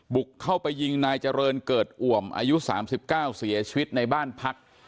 บุกเข้าไปยิงนายเจริญเกิดอ่วมอายุ๓๙เสียชีวิตในบ้านพัก